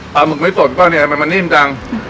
ปลาหมึกไม่สดป่ะเนี่ยมันนิ่มจัง